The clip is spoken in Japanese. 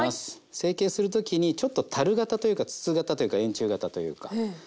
成形する時にちょっと樽形というか筒形というか円柱形というか。